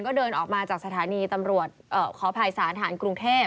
ก็เดินออกมาจากสถานีตำรวจขออภัยศาลฐานกรุงเทพ